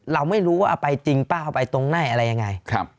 เราไม่รู้ว่าเอาไปจริงป้าเอาไปตรงไหนอะไรยังไง